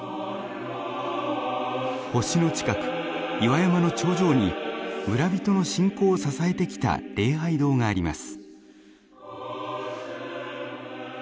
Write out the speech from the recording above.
星の近く岩山の頂上に村人の信仰を支えてきた礼拝堂があります。